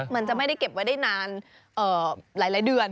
มันจะไม่ได้เก็บไว้ได้นานหลายเดือน